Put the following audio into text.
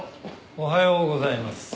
おはようございます。